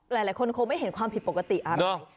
หลายคนคงไม่เห็นความผิดปกติอะไร